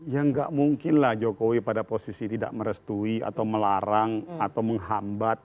ya enggak mungkin lah jokowi pada posisi tidak merestui atau melarang atau menghambat